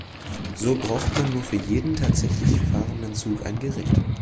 So braucht man nur für jeden tatsächlich fahrenden Zug ein Gerät.